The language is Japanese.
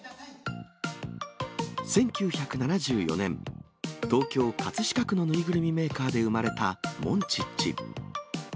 １９７４年、東京・葛飾区の縫いぐるみメーカーで生まれたモンチッチ。